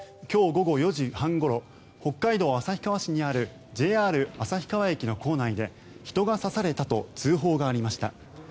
今日午後４時半ごろ北海道旭川市にあるＪＲ旭川駅の構内で人が刺されたと通報がありました。